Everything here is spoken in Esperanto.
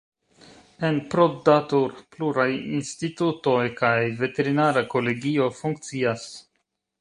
En Proddatur pluraj institutoj kaj veterinara kolegio funkcias.